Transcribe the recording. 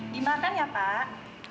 dimakan ya pak